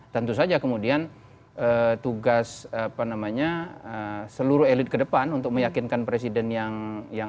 tentu saja kemudian tugas seluruh elit ke depan untuk meyakinkan presiden yang akan datang